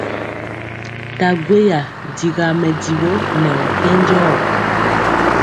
Nta gweya digaa mɛdivɔ nɛ ɔ nkɛnjɔɔ.